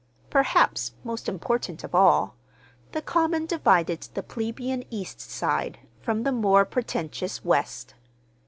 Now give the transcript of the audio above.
Perhaps, most important of all, the common divided the plebeian East Side from the more pretentious West.